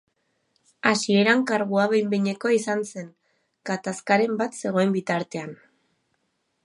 Hasieran kargua behin-behinekoa izan zen, gatazkaren bat zegoen bitartean.